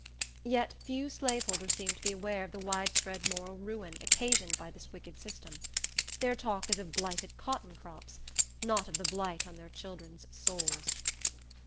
Yet few slaveholders seem to be aware of the widespread moral ruin occasioned by this wicked system. Their talk is of blighted cotton crops—not of the blight on their children's souls.